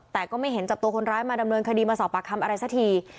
แต่ก็ไม่เห็นจับตัวคนร้ายมาดำเนินคดีมาสอบปากคำอะไรสักที